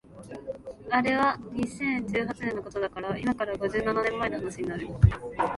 あれは二千十八年のことだから今から五十七年前の話になる